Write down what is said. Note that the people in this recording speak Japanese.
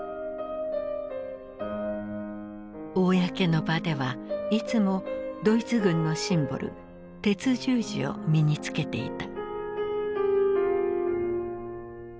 公の場ではいつもドイツ軍のシンボル鉄十字を身につけていた。